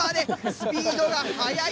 スピードが速い。